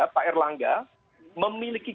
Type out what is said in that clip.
pak erlangga memiliki